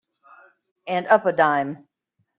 And up a dime.